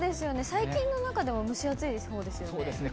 最近の中でも蒸し暑いほうですよね。